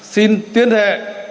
xin tuyên thệ